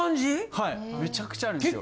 はいめちゃくちゃあるんですよ。